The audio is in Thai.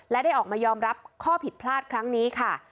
และได้ออกมายอมรับข้อผิดพลาดครั้งนี้ค่ะ